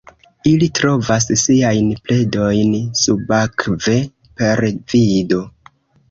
Ili trovas siajn predojn subakve per vido.